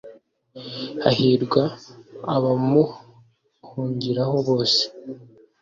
hahirwa abamuhungiraho bose